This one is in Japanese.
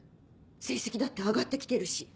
成績だって上がって来てるし。